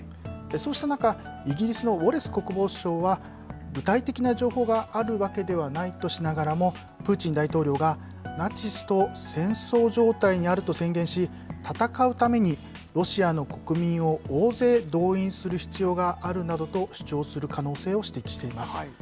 そうした中、イギリスのウォレス国防相は、具体的な情報があるわけではないとしながらも、プーチン大統領がナチスと戦争状態にあると宣言し、戦うためにロシアの国民を大勢動員する必要があるなどと主張する可能性を指摘しています。